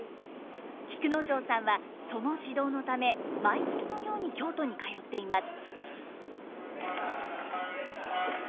菊之丞さんはその指導のため毎月のように京都に通っています。